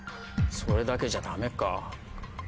それだけじゃダメか。